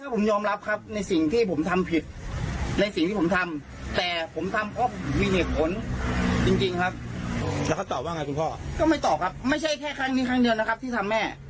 ก็ไม่ตอบครับไม่ใช่แค่ครั้งนี้ครั้งเดียวนะครับที่ทำแม่